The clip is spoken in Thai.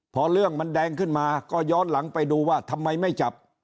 พอเรื่องมันแดงขึ้นมาก็ย้อนหลังไปดูว่าทำไมไม่จับ